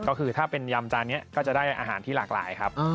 ก็คือถ้าเป็นยำจานนี้ก็จะได้อาหารที่หลากหลายครับ